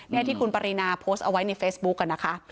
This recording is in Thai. นี่ที่คุณปรินาโพสต์เอาไว้ในเฟซบุ๊กอะนะคะ